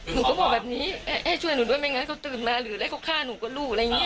หนูก็บอกแบบนี้ให้ช่วยหนูด้วยไม่งั้นเขาตื่นมาหรืออะไรเขาฆ่าหนูกับลูกอะไรอย่างนี้